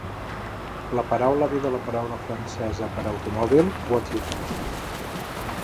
La paraula ve de la paraula francesa per "automòbil", "voiture".